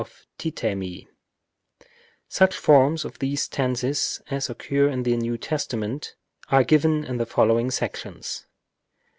of τίθημι Such forms of these tenses as occur in the New Testament are given in the following sections.